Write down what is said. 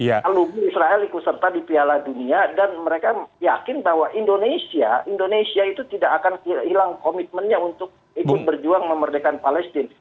al ubi israel ikut serta di piala dunia dan mereka yakin bahwa indonesia tidak akan hilang komitmennya untuk ikut berjuang memerdekan palestina